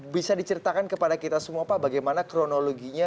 bisa diceritakan kepada kita semua pak bagaimana kronologinya